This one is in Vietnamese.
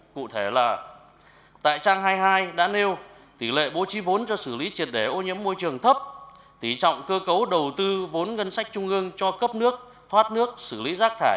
cụ thể là tại trang hai mươi hai đã nêu tỷ lệ bố trí vốn cho xử lý